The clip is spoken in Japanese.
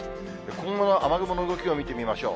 今後の雨雲の動きを見てみましょう。